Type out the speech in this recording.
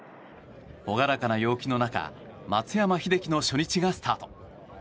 朗らかな陽気の中松山英樹の初日がスタート。